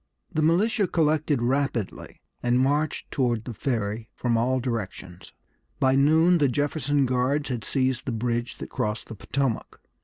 The militia collected rapidly, and marched toward the Ferry from all directions. By noon the Jefferson Guards had seized the bridge that crossed the Potomac.